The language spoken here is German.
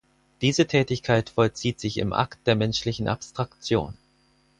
Diese Tätigkeit vollzieht sich im Akt der menschlichen Abstraktion.